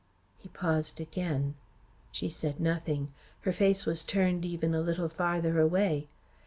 He paused again. She said nothing. Her face was turned even a little farther away.